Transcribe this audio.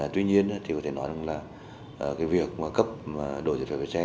tuy nhiên thì có thể nói là cái việc cấp đổi giấy phép lái xe